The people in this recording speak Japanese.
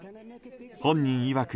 本人いわく